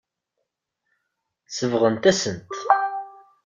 Sebɣent-as-ten.